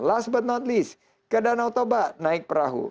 last but not least ke danau toba naik perahu